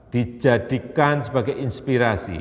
dijadikan sebagai inspirasi